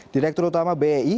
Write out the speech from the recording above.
direktur utama bei